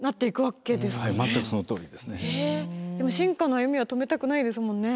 でも進化の歩みは止めたくないですもんね。